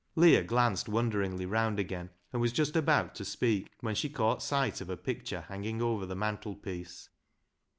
Leah glanced wonderingly round again, and was just about to speak, when she caught sight of a picture hanging over the mantelpiece.